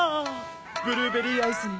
ブルーベリーアイスに